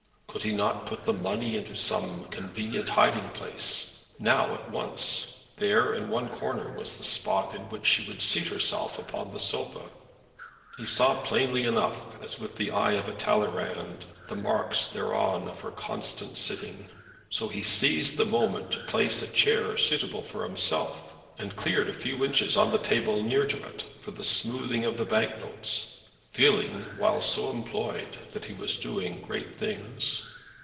Could he not put the money into some convenient hiding place, now at once? There, in one corner, was the spot in which she would seat herself upon the sofa. He saw plainly enough, as with the eye of a Talleyrand, the marks thereon of her constant sitting. So he seized the moment to place a chair suitable for himself, and cleared a few inches on the table near to it, for the smoothing of the bank notes, feeling, while so employed, that he was doing great things.